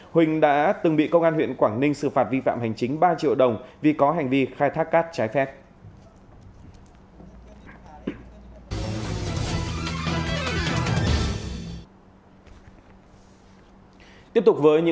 huỳnh đã từng bị công an huyện quảng ninh xử phạt vi phạm hành chính ba triệu đồng vì có hành vi khai thác cát trái phép